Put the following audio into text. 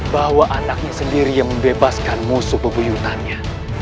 bahwa anaknya sendiri yang membebaskan musuh bebuyutannya